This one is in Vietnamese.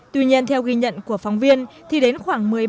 tuy nhiên theo ghi nhận của phóng viên thì đến khoảng một mươi ba h